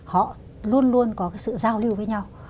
họ luôn luôn có cái sự giao lưu với nhau